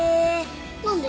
何で？